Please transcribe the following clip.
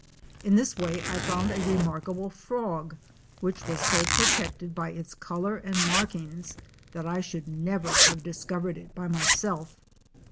In this way I found a remarkable frog which was so protected by its color and markings that I should never have discovered it by myself.